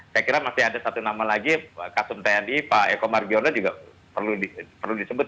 saya kira masih ada satu nama lagi kasum tni pak eko margiono juga perlu disebut